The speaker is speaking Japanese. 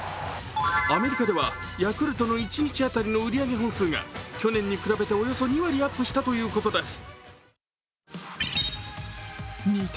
アメリカではヤクルトの一日当たりの売り上げ本数が去年に比べておよそ２割アップしたということです。